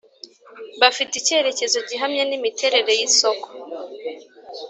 Bafite icyerekezo gihamye n’imiterere y’isoko